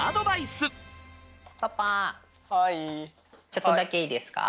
ちょっとだけいいですか？